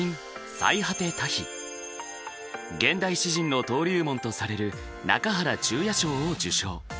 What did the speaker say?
現代詩人の登竜門とされる中原中也賞を受賞。